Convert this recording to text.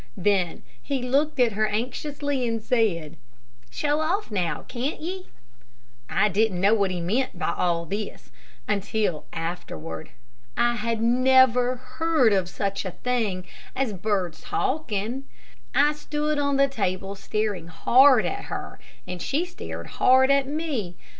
Then he looked at her anxiously, and said, "Show off now, can't ye?" "I didn't know what he meant by all this, until afterward. I had never heard of such a thing as birds talking. I stood on the table staring hard at her, and she stared hard at me.